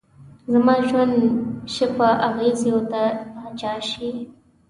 زما ژوند شه په اغزيو ته پاچا شې